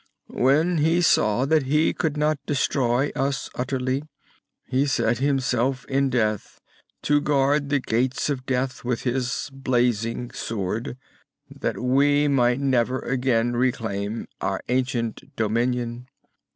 "When he saw that he could not destroy us utterly, he set himself in death to guard the Gates of Death with his blazing sword, that we might never again reclaim our ancient dominion.